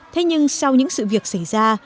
thế nhưng sau những sự việc xảy ra